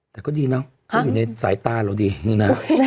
แต่ก็ดีเนาะเขาอยู่ในสายตาเราดีเนาะ